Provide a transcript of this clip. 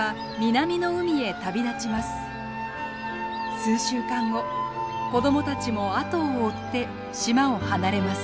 数週間後子供たちも後を追って島を離れます。